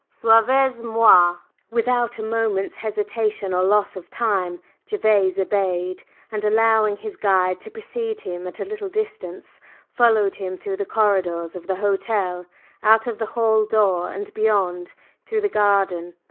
"Suivez moi!" Without a moment's hesitation or loss of time, Gervase obeyed, and allowing his guide to precede him at a little distance, followed him through the corridors of the hotel, out at the hall door and beyond, through the garden.